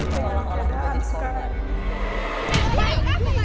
berada di sekolah hai